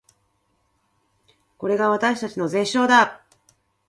これが私たちの絶唱だー